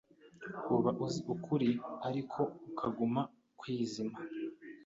uba uzi ukuri ariko akaguma kwizima.